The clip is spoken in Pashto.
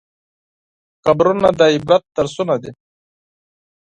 قبرونه د عبرت درسونه دي.